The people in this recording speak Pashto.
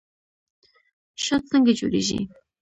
شات څنګه جوړیږي؟